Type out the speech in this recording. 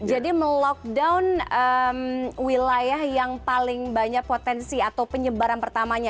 jadi melockdown wilayah yang paling banyak potensi atau penyebaran pertamanya